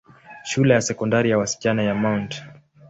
Shule ya Sekondari ya wasichana ya Mt.